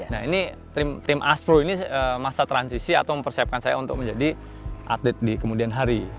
nah ini tim aspro ini masa transisi atau mempersiapkan saya untuk menjadi atlet di kemudian hari